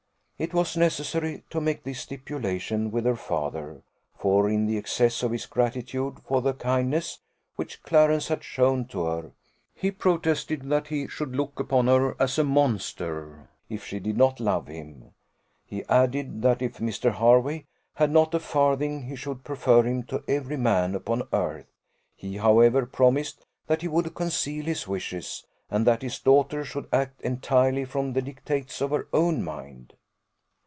It was necessary to make this stipulation with her father; for in the excess of his gratitude for the kindness which Clarence had shown to her, he protested that he should look upon her as a monster if she did not love him: he added, that if Mr. Hervey had not a farthing, he should prefer him to every man upon earth; he, however, promised that he would conceal his wishes, and that his daughter should act entirely from the dictates of her own mind.